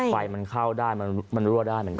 ไฟมันเข้าได้มันรั่วได้เหมือนกัน